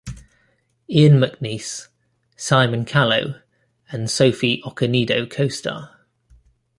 Ian McNeice, Simon Callow, and Sophie Okonedo co-star.